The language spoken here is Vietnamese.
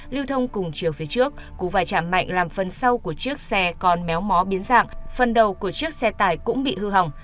lưu thông cùng chiều phía trước cú vài chạm mạnh làm phần sau của chiếc xe còn méo mó biến dạng phần đầu của chiếc xe tải cũng bị hư hỏng